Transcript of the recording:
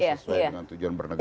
terus bagaimana tujuan bernegara